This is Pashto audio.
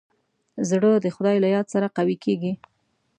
زړه د خدای له یاد سره قوي کېږي.